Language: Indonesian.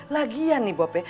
lagian nih bop ya